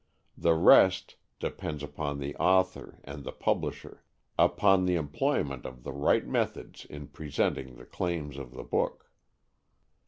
The rest depends upon the author and the publisher upon the employment of the right methods in presenting the claims of the book.